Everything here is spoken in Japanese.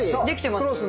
できてます？